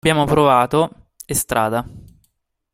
Abbiamo provato Estrada.